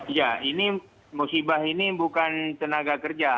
iya ini musibah ini bukan tenaga kerja